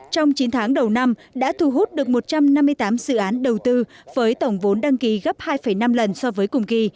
trong chín tháng đầu năm đã thu hút được một trăm năm mươi tám dự án đầu tư với tổng vốn đăng ký gấp hai năm lần so với cùng kỳ